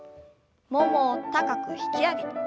ももを高く引き上げて。